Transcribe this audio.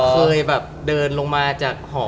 เคยแบบเดินลงมาจากหอ